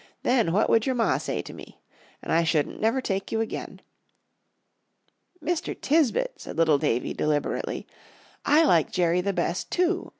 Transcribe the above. Then what would your Ma say to me? and I shouldn't never take you again." "Mr. Tisbett," said little Davie, deliberately, "I like Jerry the best, too.